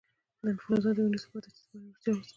د انفلونزا د ویروس لپاره د زنجبیل چای وڅښئ